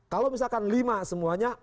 kalau misalkan lima semuanya